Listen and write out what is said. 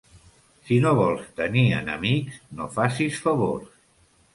Si no vols tenir enemics, no facis favors.